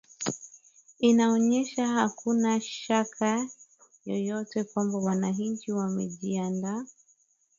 inaonyesha hakuna shaka yoyote kwamba wananchi wamejiandaa